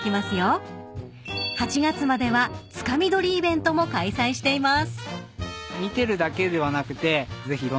［８月まではつかみ取りイベントも開催しています］